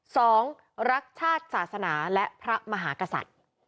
สองรักชาติศาสนาและพระมหากษัตริย์